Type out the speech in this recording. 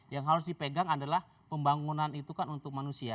yang harus dipegang adalah pembangunan itu kan untuk manusia